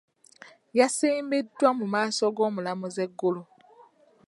Yasimbiddwa mu maaso g’omulamuzi eggulo.